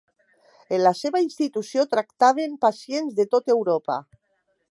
En la seva institució tractaven pacients de tot Europa.